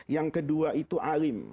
yang kedua itu alim